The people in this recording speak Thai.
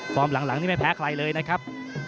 หลังนี่ไม่แพ้ใครเลยนะครับ